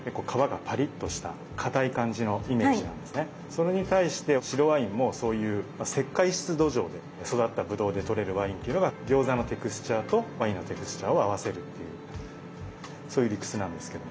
それに対して白ワインもそういう石灰質土壌で育ったブドウでとれるワインっていうのが餃子のテクスチャーとワインのテクスチャーを合わせるっていうそういう理屈なんですけど。